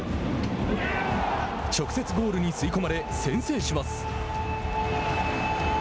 直接ゴールに吸い込まれ先制します。